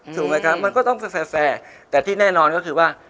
ถูกไหมครับมันก็ต้องแสแต่ที่แน่นอนก็คือว่า